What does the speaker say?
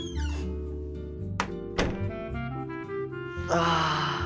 ああ。